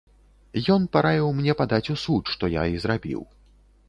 Ён параіў мне падаць у суд, што я і зрабіў.